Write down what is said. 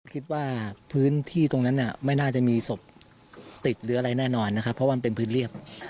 คิดว่าพื้นที่ตรงนั้นไม่น่าจะมีศพติดหรืออะไรแน่นอนนะครับเพราะว่ามันเป็นพื้นเรียบ